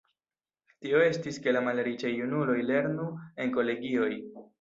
Tio estis, ke la malriĉaj junuloj lernu en kolegioj.